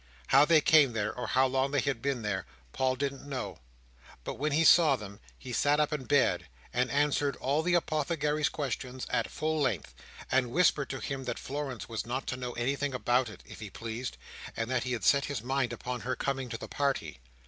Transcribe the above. How they came there, or how long they had been there, Paul didn't know; but when he saw them, he sat up in bed, and answered all the Apothecary's questions at full length, and whispered to him that Florence was not to know anything about it, if he pleased, and that he had set his mind upon her coming to the party.